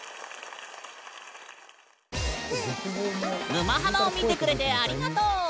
「沼ハマ」を見てくれてありがとう！